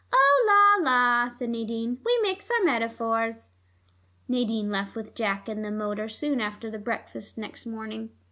"Oh, la, la," said Nadine. "We mix our metaphors." Nadine left with Jack in the motor soon after breakfast next morning.